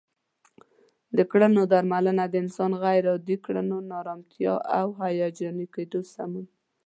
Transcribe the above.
د کړنو درملنه د انسان غیر عادي کړنو، ناآرامتیا او هیجاني کیدلو سمون